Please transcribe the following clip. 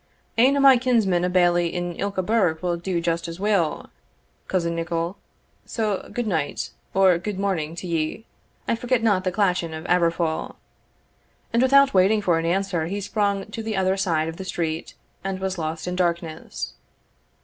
"Ane o' my kinsmen a bailie in ilka burgh will just do as weel, cousin Nicol So, gude night or gude morning to ye; and forget not the Clachan of Aberfoil." And without waiting for an answer, he sprung to the other side of the street, and was lost in darkness.